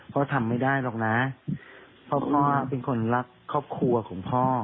ทำไม่ได้หรอกนะเพราะพ่อเป็นคนรักครอบครัวของพ่อ